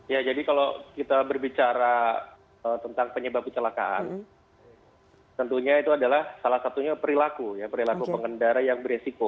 ya jadi kalau kita berbicara tentang penyebab kecelakaan tentunya itu adalah salah satunya perilaku ya perilaku pengendara yang beresiko